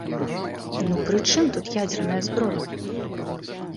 Ну пры чым тут ядзерная зброя?